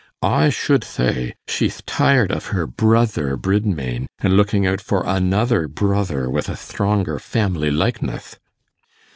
I should thay, she'th tired of her brother Bridmain, and looking out for another brother with a thtronger family likeneth.